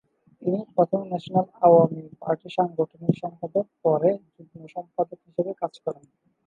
তিনি প্রথমে ন্যাশনাল আওয়ামী পার্টির সাংগঠনিক সম্পাদক, পরে যুগ্ম সম্পাদক হিসেবে কাজ করেন।